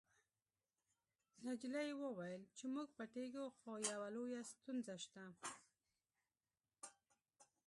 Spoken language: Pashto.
نجلۍ وویل چې موږ پټیږو خو یوه لویه ستونزه شته